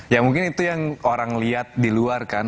ya mungkin itu yang orang lihat di luar kan